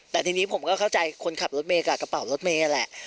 แต่ทีนี้ผมก็เข้าใจคนขับรถเมย์กับกระเป๋ารถเมย์แหละ